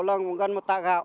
là cũng gần một tạ gạo